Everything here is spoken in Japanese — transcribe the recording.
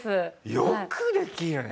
よくできるね。